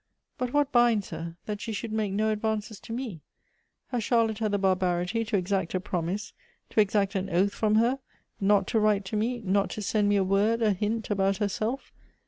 But what binds her, that she should make no advances to me ? Has Charlotte had the bar barity to exact a promise, to exact an oath from her, nol to write to me, not to send me a word, a hint, about her self?